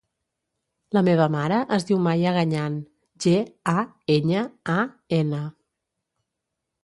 La meva mare es diu Maya Gañan: ge, a, enya, a, ena.